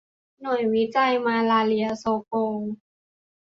หน่วยวิจัยมาลาเรียโซโกล